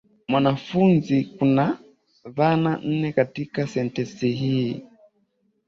Mwanafunzi kuna dhana nne katika sentensi hii.